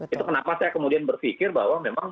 itu kenapa saya kemudian berpikir bahwa memang